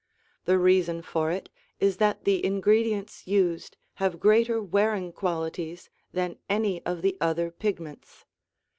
The reason for it is that the ingredients used have greater wearing qualities than any of the other pigments.